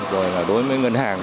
rồi là đối với ngân hàng